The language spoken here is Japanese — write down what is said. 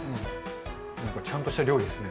なんかちゃんとした料理ですね。